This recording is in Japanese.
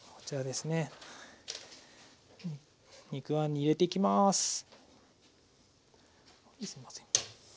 すいません。